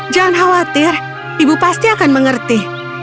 jangan khawatir ibu pasti akan mengerti